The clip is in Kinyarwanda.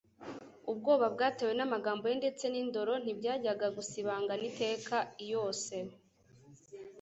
Ubwoba bwatewe n'amagambo ye ndetse n'indoro ntibyajyaga gusibangana iteka iyose.